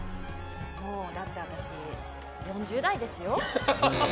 だって私４０代ですよ。